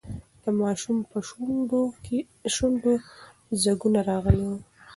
د ماشوم پر شونډو ځگونه راغلي وو.